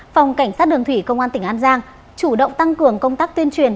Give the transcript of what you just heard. phòng cảnh sát đường thủy công an tỉnh an giang chủ động tăng cường công tác tuyên truyền